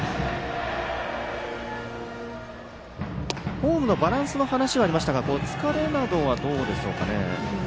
フォームのバランスの話がありましたが疲れなどはどうでしょうかね。